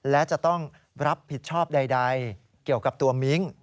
และจะต้องรับผิดชอบใดเกี่ยวกับตัวมิ้ง